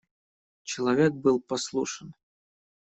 Человек был послушен.